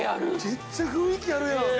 めっちゃ雰囲気あるやん！